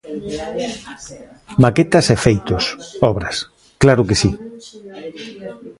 Maquetas e feitos, obras; claro que si.